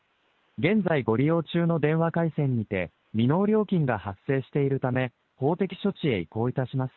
現在ご利用中の電話回線にて未納料金が発生しているため、法的処置へ移行いたします。